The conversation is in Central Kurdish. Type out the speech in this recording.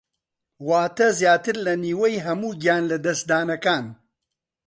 واتە زیاتر لە نیوەی هەموو گیانلەدەستدانەکان